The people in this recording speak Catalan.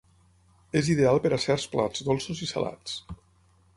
És ideal per a certs plats dolços i salats.